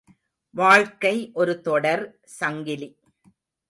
வாழ்க்கை ஒரு தொடர் சங்கிலி.